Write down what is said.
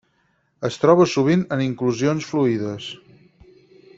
Es troba sovint en inclusions fluides.